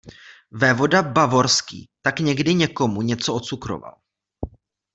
Vévoda bavorský tak někdy někomu něco ocukroval.